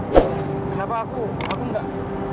kenapa aku aku nggak